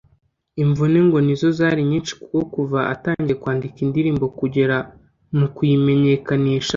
imvune ngo nizo zari nyinshi kuko kuva atangiye kwandika indirimbo kugera mu kuyimenyekanisha